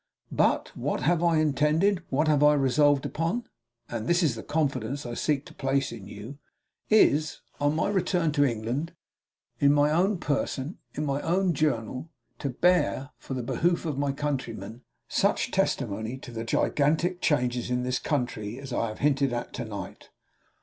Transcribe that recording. But what I have intended, what I have resolved upon (and this is the confidence I seek to place in you), is, on my return to England, in my own person, in my own Journal, to bear, for the behoof of my countrymen, such testimony to the gigantic changes in this country as I have hinted at to night.